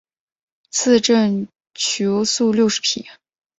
赐郑璩素六十匹。